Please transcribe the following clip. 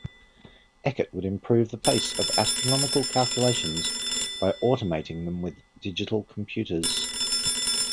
Eckert would improve the pace of astronomical calculations by automating them with digital computers.